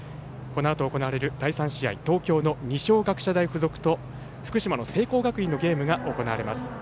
このあと行われる第３試合は東京の二松学舎大付属と福島の聖光学院のゲームが行われます。